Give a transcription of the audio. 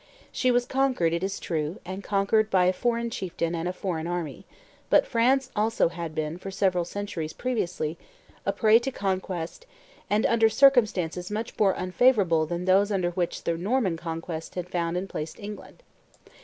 She was conquered, it is true, and conquered by a foreign chieftain and a foreign army; but France also had been, for several centuries previously, a prey to conquest, and under circumstances much more unfavorable than those under which the Norman conquest had found and placed England.